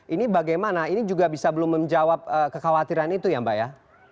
ini bagaimana ini juga bisa belum menjawab kekhawatiran itu ya mbak ya